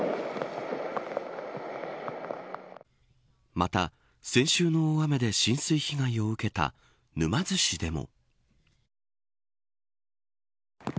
また、先週の大雨で浸水被害を受けた沼津市でも。